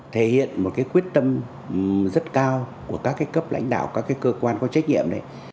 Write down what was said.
thể hiện một quyết tâm rất cao của các cấp lãnh đạo các cơ quan có trách nhiệm